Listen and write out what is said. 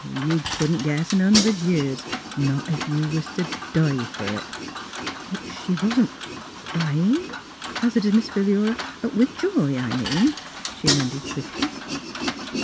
" You couldn't guess in a hundred years — not ef you was t' die fer it." " She wasn't — crying? " hazarded Miss Philura, — "with joy, I mean," she amended quickly.